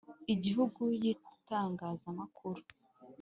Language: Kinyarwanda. Igihugu y itangazamakuru